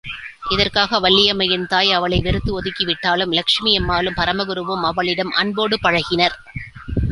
இதற்காக வள்ளியம்மையின் தாய் அவளை வெறுத்து ஒதுக்கி விட்டாலும் லட்சுமி அம்மாளும், பரமகுருவும் அவளிடம் அன்போடு பழகினர்.